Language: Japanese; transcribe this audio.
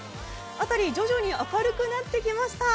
辺り、徐々に明るくなってきました